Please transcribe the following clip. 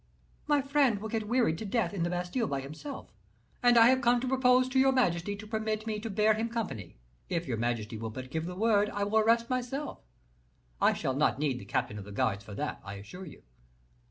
My friend will get wearied to death in the Bastile by himself; and I have come to propose to your majesty to permit me to bear him company; if your majesty will but give me the word, I will arrest myself; I shall not need the captain of the guards for that, I assure you."